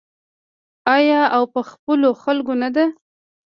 آیا او په خپلو خلکو نه ده؟